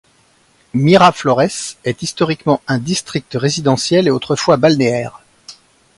Miraflores est historiquement un district résidentiel et autrefois balnéaire.